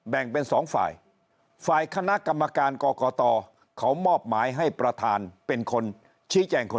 แบ่งเป็นสองฝ่ายฝ่ายคณะกรรมการกกต